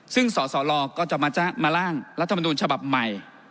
ซึ่งสสลก็จะมาร่างรัฐมนุนฉบับใหม่